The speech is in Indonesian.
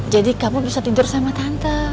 jadi kamu bisa tidur sama tante